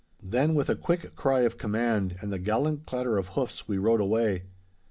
Then, with a quick cry of command and the gallant clatter of hoofs, we rode away.